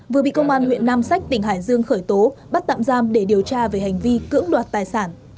vừa bị công an huyện nam sách tỉnh hải dương khởi tố bắt tạm giam để điều tra về hành vi cưỡng đoạt tài sản